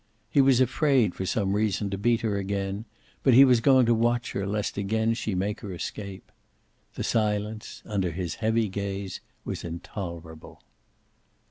He was afraid, for some reason, to beat her again, but he was going to watch her lest again she make her escape. The silence, under his heavy gaze, was intolerable.